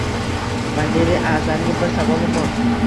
Vaziri a’zamga bir savolim bor